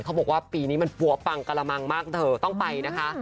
เขาบอกว่าปีนี้มันปั๊วปังกระมังมากเธอต้องไปนะคะ